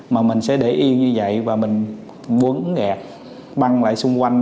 mà mình sẽ để yên như vậy và mình bấn gạt băng lại xung quanh